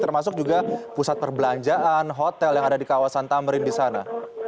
termasuk juga pusat perbelanjaan hotel yang ada di kawasan tamrin di sana